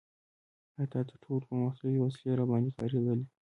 حتی تر ټولو پرمختللې وسلې راباندې کارېدلي.